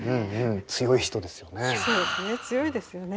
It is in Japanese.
強い人ですよね。